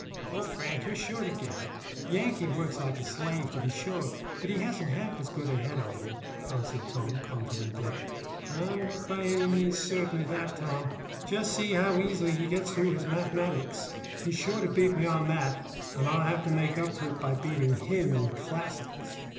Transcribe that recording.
"O Frank, you're sure to get it. Yankee works like a slave, to be sure, but he hasn't half as good a head on him," answered Tom confidently. "I'm not by any means certain of that, Tom. Just see how easily he gets through his mathematics. He's sure to beat me on that, and I'll have to make up for it by beating him in classics.